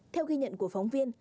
theo ghi nhận của phóng viên